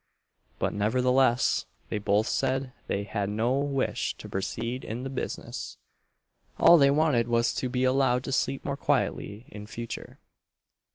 but nevertheless they both said they had no wish to proceed in the business all they wanted was to be allowed to sleep more quietly in future.